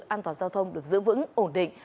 an toàn giao thông được giữ vững ổn định